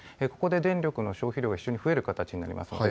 ここで電力の消費量が非常に増える形になります。